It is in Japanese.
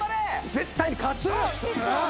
絶対に勝つ！